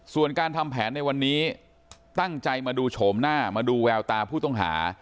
ส่วนการทำแผนในวันนี้ตั้งใจมาดูโฉมหน้ามาดูแววตาผู้ต้องหา